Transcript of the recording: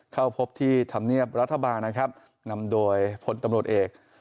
เข้าพบที่ธรรมเนียบรัฐบาลนะครับนำโดยพลตำรวจเอก